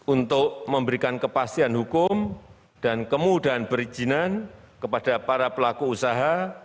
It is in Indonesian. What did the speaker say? untuk memberikan kepastian hukum dan kemudahan perizinan kepada para pelaku usaha